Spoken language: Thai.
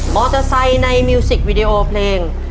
มอเตอร์ไซด์ในมิวสิกวิดีโอเพลง